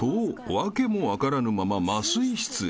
訳も分からぬまま麻酔室へ］